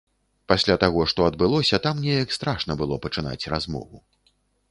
Пасля таго, што адбылося там, неяк страшна было пачынаць размову.